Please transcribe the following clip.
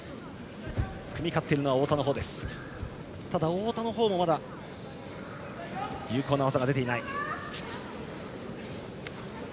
太田の方もまだ有効な技が出ていない。